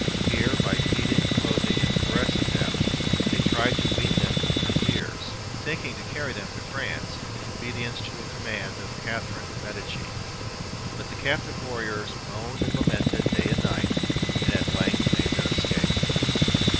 Here, by feeding, clothing, and caressing them, they tried to wean them from their fears, thinking to carry them to France, in obedience to a command of Catherine de Medicis; but the captive warriors moaned and lamented day and night, and at length made their escape.